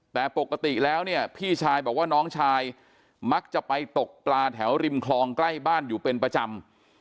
แต่ปกติแล้วเนี่ยพี่ชายบอกว่าน้องชายมักจะไปตกปลาแถวริมคลองใกล้บ้านอยู่เป็นประจำ